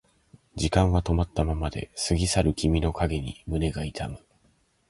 時間は止まったままで過ぎ去る君の影に胸が痛む